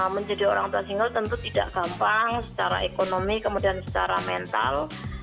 menjadi orang tua single tentu tidak gampang secara ekonomi kemudian secara mental